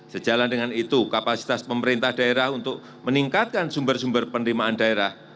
sejalan dengan itu kapasitas pemerintah daerah untuk meningkatkan sumber sumber penerimaan daerah